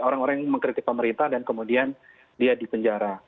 orang orang yang mengkritik pemerintah dan kemudian dia dipenjara